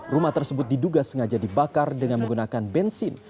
rumah tersebut diduga sengaja dibakar dengan menggunakan bensin